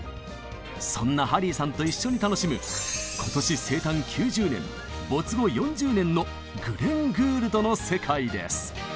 そんなハリーさんと一緒に楽しむ今年生誕９０年没後４０年のグレン・グールドの世界です！